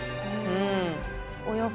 うん。